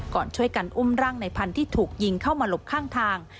ก่อนช่วยกันอุ้มร่างในพันธุ์ที่ถูกยิงเข้ามาหลบข้างทาง